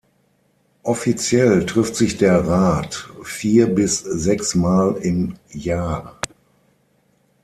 Offiziell trifft sich der Rat vier- bis sechsmal im Jahr.